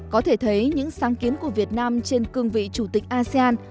có thể thấy những sáng kiến của việt nam trên cương vị chủ tịch asean